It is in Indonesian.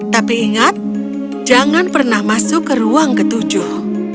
tapi ingat jangan pernah masuk ke ruang ketujuh